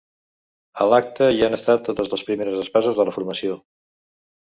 A l’acte hi han estat totes les primeres espases de la formació.